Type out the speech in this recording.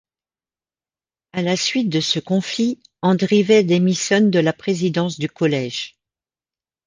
À la suite de ce conflit, Andrivet démissionne de la présidence du Collège.